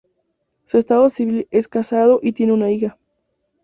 Su estado civil es casado y tiene una hija.